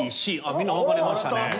みんな分かれましたね。